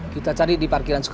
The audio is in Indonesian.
kita cari di parkiran sekolah